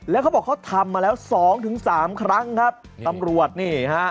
แล้วเขาบอกเขาทำมาแล้ว๒๓ครั้งครับตำรวจเนี่ยฮะ